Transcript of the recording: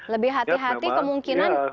lebih hati hati kemungkinan